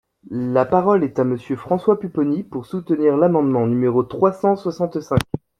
La parole est à Monsieur François Pupponi, pour soutenir l’amendement numéro trois cent soixante-cinq.